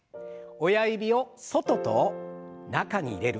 親指を外と中に入れる。